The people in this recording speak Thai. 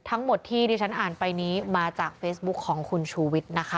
ทั้งหมดที่ที่ฉันอ่านไปนี้มาจากเฟซบุ๊คของคุณชูวิทย์นะคะ